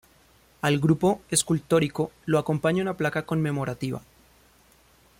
Al grupo escultórico lo acompaña una placa conmemorativa.